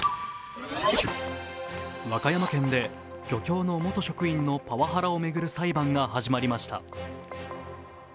和歌山県で漁協の元職員のパワハラを巡る裁判が始まりました。